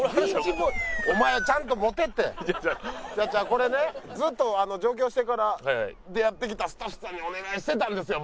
これねずっと上京してから出会ってきたスタッフさんにお願いしてたんですよ